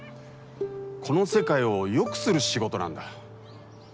この世界を良くする仕事なんだ。